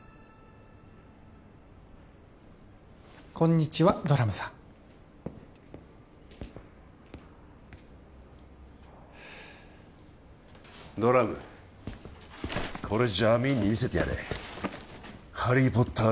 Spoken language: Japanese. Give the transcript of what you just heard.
こんにちはドラムさんドラムこれジャミーンに見せてやれ「ハリー・ポッター」